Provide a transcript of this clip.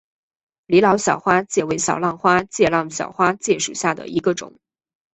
李老小花介为小浪花介科小花介属下的一个种。